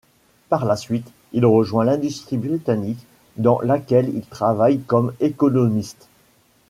Par la suite, il rejoint l'industrie britannique dans laquelle il travaille comme économiste.